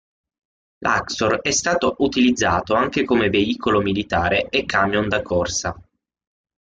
L'Axor è stato utilizzato anche come veicolo militare e camion da corsa.